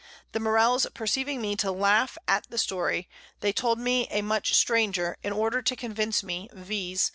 The Morells perceiving me laugh at the Story, they told me a much stranger, in order to convince me, _viz.